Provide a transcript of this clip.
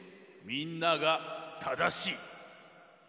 みんながただしい。